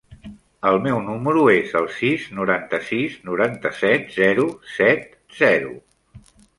El meu número es el sis, noranta-sis, noranta-set, zero, set, zero.